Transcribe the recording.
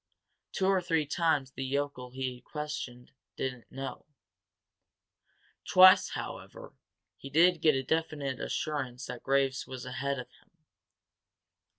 Two or three times the yokel he questioned didn't know, twice, however, he did get a definite assurance that Graves was ahead of him.